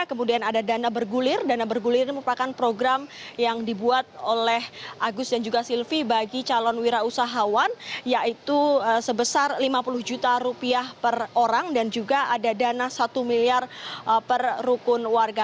kemudian ada dana bergulir dana bergulir ini merupakan program yang dibuat oleh agus dan juga silvi bagi calon wira usahawan yaitu sebesar lima puluh juta rupiah per orang dan juga ada dana satu miliar per rukun warga